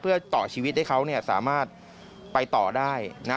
เพื่อต่อชีวิตให้เขาสามารถไปต่อได้นะ